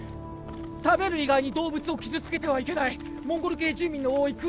食べる以外に動物を傷つけてはいけないモンゴル系住民の多いクーダンでは